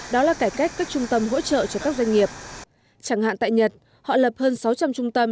đó là cải cách các trung tâm hỗ trợ cho các doanh nghiệp chẳng hạn tại nhật họ lập hơn sáu trăm linh trung tâm